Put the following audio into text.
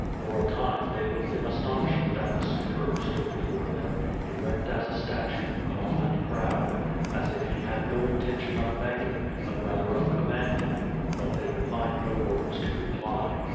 For a time, they looked in astonishment at the speaker who stood before them, erect as a statue, calm and proud, as if he had no intention of begging, but rather of commanding; but they could find no words to reply.